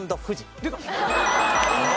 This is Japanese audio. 出た！